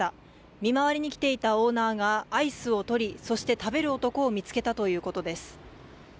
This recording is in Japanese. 見回りに来ていたオーナーがアイスをとり、食べる男を見つけたということです。